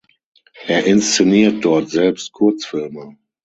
Er inszeniert dort selbst Kurzfilme.